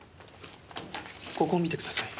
ここを見てください。